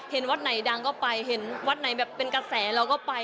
วัดไหนดังก็ไปเห็นวัดไหนแบบเป็นกระแสเราก็ไป